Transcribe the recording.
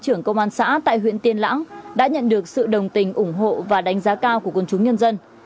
trưởng công an xã tại huyện tiên lãng đã nhận được sự đồng tình ủng hộ và đánh giá cao của quân chúng nhân dân